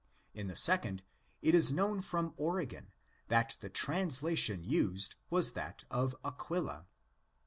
In the second, it is known from Origen that the translation used was that of Aquila.